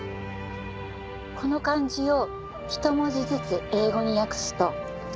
この漢字を一文字ずつ英語に訳すと。